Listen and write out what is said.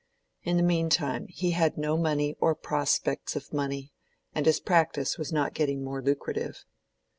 In the mean time he had no money or prospects of money; and his practice was not getting more lucrative.